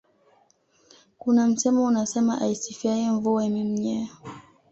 kuna msemo unasema aisifiyae Mvua imemnyea